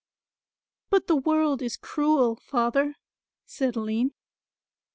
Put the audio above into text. "But the world is cruel, Father," said Aline.